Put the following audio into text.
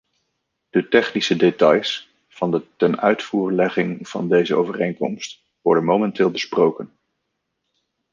De technische details van de tenuitvoerlegging van deze overeenkomst worden momenteel besproken.